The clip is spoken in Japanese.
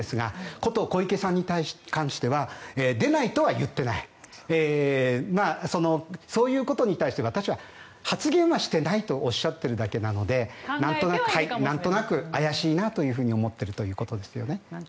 こと小池さんに関しては出ないとは言ってないそういうことに対して私は発言はしていないとおっしゃっているだけなのでなんとなく怪しいなと思っていると。